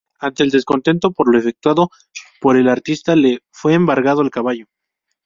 Ante el descontento por lo efectuado por el artista, le fue embargado el caballo.